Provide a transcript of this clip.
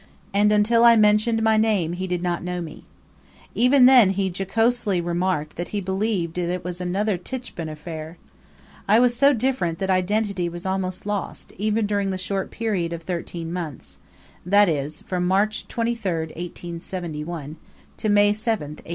and until I mentioned my name he did not know me. Even then he jocosely remarked that he believed that it was another Tichborne affair. I was so different that identity was almost lost, even during the short period of thirteen months; that is, from March 23rd, 1871, to May 7th, 1872.